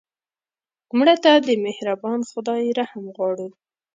مړه ته د مهربان خدای رحم غواړو